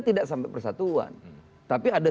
tidak sampai persatuan tapi ada